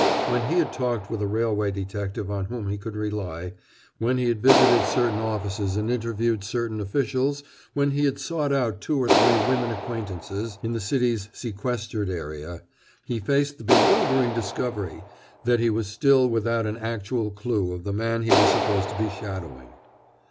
When he had talked with a railway detective on whom he could rely, when he had visited certain offices and interviewed certain officials, when he had sought out two or three women acquaintances in the city's sequestered area, he faced the bewildering discovery that he was still without an actual clue of the man he was supposed to be shadowing.